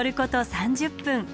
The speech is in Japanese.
３０分。